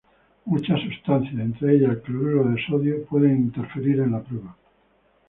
Muchas sustancias, entre ellas el cloruro de sodio, pueden interferir en la prueba.